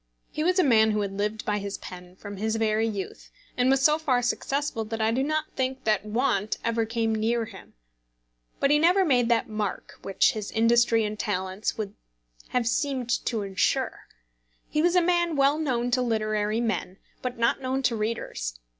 He was a man who had lived by his pen from his very youth; and was so far successful that I do not think that want ever came near him. But he never made that mark which his industry and talents would have seemed to ensure. He was a man well known to literary men, but not known to readers.